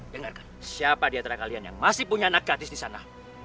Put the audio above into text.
dengarkan siapa di antara kalian yang masih punya anak gratis di sana